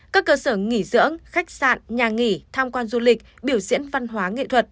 các cơ sở nghỉ dưỡng khách sạn nhà nghỉ tham quan du lịch biểu diễn văn hóa nghệ thuật